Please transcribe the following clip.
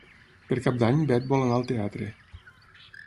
Per Cap d'Any na Beth vol anar al teatre.